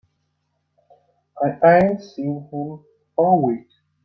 I ain't seen him for a week.